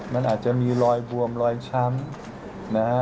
มันอาจจะมีรอยบวมรอยช้ำนะฮะ